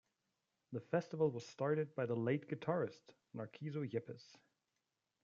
The festival was started by the late guitarist, Narciso Yepes.